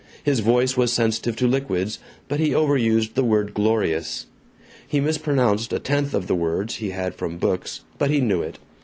His voice was sensitive to liquids, but he overused the word "glorious." He mispronounced a tenth of the words he had from books, but he knew it.